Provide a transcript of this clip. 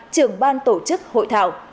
trưởng ban tổ chức hội thảo